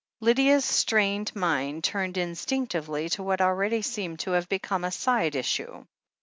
Lydia's strained mind turned instinctively to what already seemed to have become a side issue.